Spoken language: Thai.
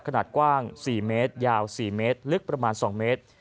ขนาดกว้างสี่เมตรยาวสี่เมตรลึกประมาณสองเมตร